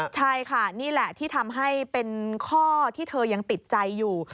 ใช่ค่ะนี่แหละที่ทำให้เป็นข้อที่เธอยังติดใจอยู่